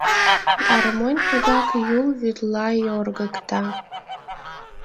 Гармонь тугак Юл вӱдла йоргыкта.